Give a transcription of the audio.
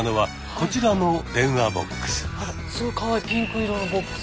あらすごいかわいいピンク色のボックス。